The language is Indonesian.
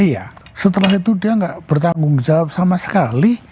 iya setelah itu dia nggak bertanggung jawab sama sekali